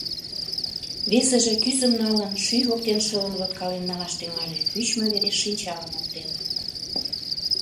Весыже, кӱзым налын, шӱй воктен шылым лодкален налаш тӱҥале, пӱчмӧ вереш шинчалым оптен.